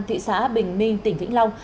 thị xã bình minh tỉnh vĩnh long